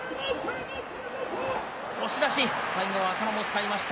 押し出し、最後は頭も使いました。